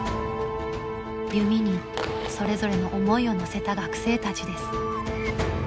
弓にそれぞれの思いを乗せた学生たちです。